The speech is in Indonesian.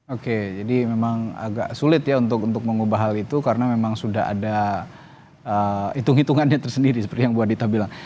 oke jadi memang agak sulit ya untuk mengubah hal itu karena memang sudah ada hitung hitungannya tersendiri seperti yang bu adita bilang